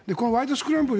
スクランブル」